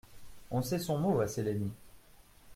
On sait son mot à Cellini.